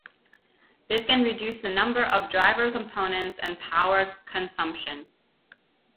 This can reduce the number of driver components and power consumption.